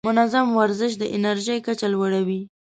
منظم ورزش د انرژۍ کچه لوړه وي.